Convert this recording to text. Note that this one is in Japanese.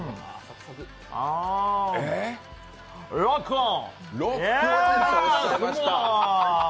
アー、ロックオン！